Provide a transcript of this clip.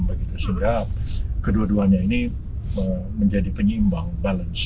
sehingga kedua duanya ini menjadi penyeimbang balance